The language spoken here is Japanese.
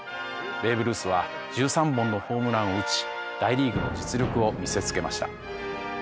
ベーブ・ルースは１３本のホームランを打ち大リーグの実力を見せつけました。